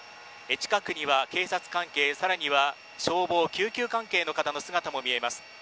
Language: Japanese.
近くには警察関係、更には消防、救急関係の方の姿も見えます。